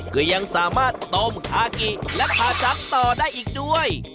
ก็ยังสามารถต้มคากิและคาจักต่อได้อีกด้วย